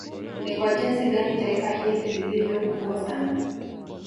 Ni kwa jinsi gani Taifa hili lilivyo kubwa sana